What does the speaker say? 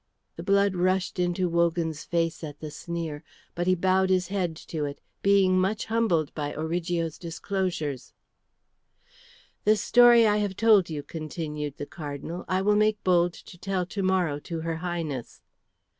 The blood rushed into Wogan's face at the sneer, but he bowed his head to it, being much humbled by Origo's disclosures. "This story I have told you," continued the Cardinal, "I will make bold to tell to morrow to her Highness."